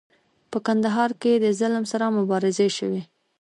په کندهار کې د ظلم سره مبارزې شوي.